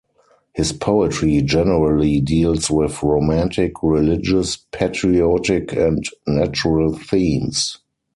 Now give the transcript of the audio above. His poetry generally deals with romantic, religious, patriotic and natural themes.